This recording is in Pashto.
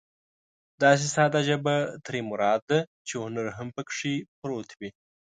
داسې ساده ژبه ترې مراد ده چې هنر هم پکې پروت وي.